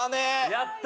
やった！